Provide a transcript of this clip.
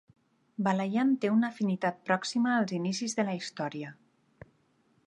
Balayan té una afinitat pròxima als inicis de la història.